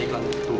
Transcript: seorang anak usus